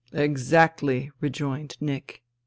" Exactly," rejoined Nick.